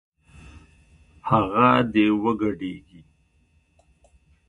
هغه دې وګډېږي